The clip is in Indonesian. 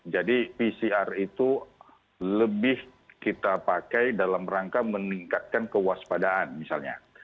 jadi pcr itu lebih kita pakai dalam rangka meningkatkan kewaspadaan misalnya